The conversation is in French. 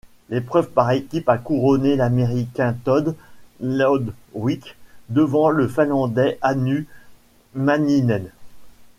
L'épreuve par équipes a couronné l'Américain Todd Lodwick devant le Finlandais Hannu Manninen.